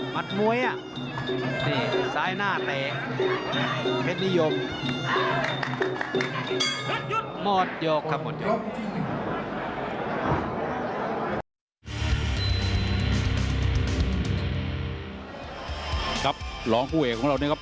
มัดมวยนี่ซ้ายหน้าเตะเพชรนิยม